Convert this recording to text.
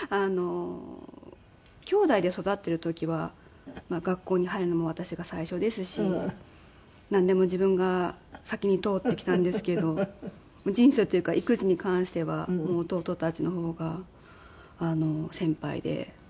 姉弟で育っている時は学校に入るのも私が最初ですしなんでも自分が先に通ってきたんですけど人生というか育児に関しては弟たちの方が先輩で。